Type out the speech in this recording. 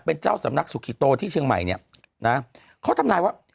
เป็นเจ้าสำนักสุขิโตที่เชียงใหม่เนี่ยนะเขาทำนายว่า